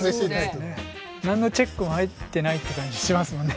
何のチェックも入ってないって感じしますよね。